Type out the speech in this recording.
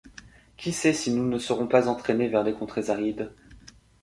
Qui sait si nous ne serons pas entraînés vers des contrées arides?